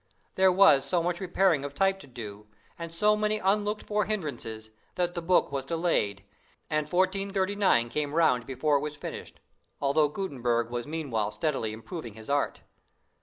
There was so much repairing of type to do, and so many unlooked for hinderances, that the book was delayed, and 1439 came round before it was finished, although Gutenberg was meanwhile steadily improving his art.